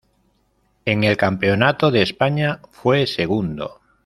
En el campeonato de España fue segundo.